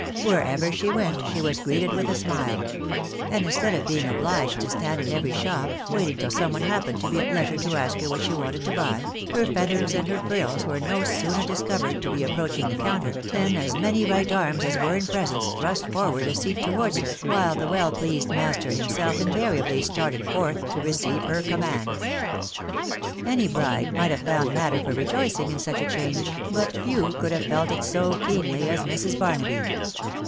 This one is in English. Wherever she went*6he was greeted with a smile; and instead of being obliged to stand in every shop, waiting till some one happened to be at leisure to ask her what she wanted to "buy, her feathers and her frills were no sooner discovered to be approaching the counter, than as many right arms as were in presence thrust forward a seat' to wards her, while the well pleased master himself invariably started forth to receive her commands. Any bride might have found matter for rejoicing in such a change, but few could hare felt it so keenly as Mrs. Barnaby.